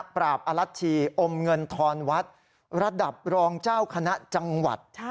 ปราบอลัทธิอมเงินทรวรรษระดับรองเจ้าคณะจังหวัด